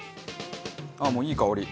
ああもういい香り。